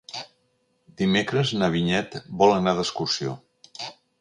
Dimecres na Vinyet vol anar d'excursió.